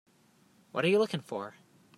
What are you looking for?